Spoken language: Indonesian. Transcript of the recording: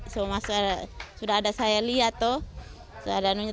semua masalah sudah ada saya lihat tuh